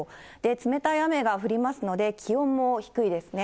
冷たい雨が降りますので、気温も低いですね。